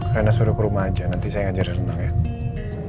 rena suruh ke rumah aja nanti saya ngajarin rena nget